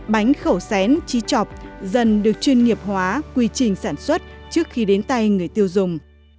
bánh khẩu sén chi trọp dần được chuyên nghiệp hóa quy trình sản xuất trước khi đến tay người tiêu dùng